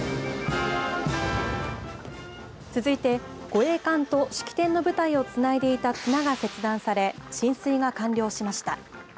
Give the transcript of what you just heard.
護衛艦と式典の舞台をつないでいた、つなが切断され進水が完了しました。